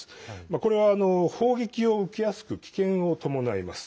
これは砲撃を受けやすく危険を伴います。